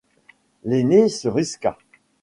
L’aîné se risqua.